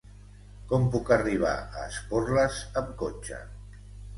Com puc arribar a Esporles amb cotxe?